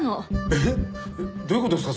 えっ？どういう事ですか？